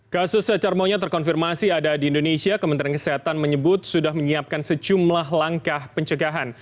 kasus cacar monyet terkonfirmasi ada di indonesia kementerian kesehatan menyebut sudah menyiapkan sejumlah langkah pencegahan